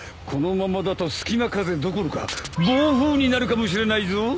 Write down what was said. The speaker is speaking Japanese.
このままだとすきま風どころか暴風になるかもしれないぞ。